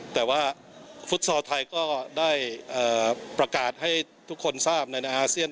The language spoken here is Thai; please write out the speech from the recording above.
แต่ว่าฟุตซอลไทยก็ได้ประกาศให้ทุกคนทราบในอาเซียน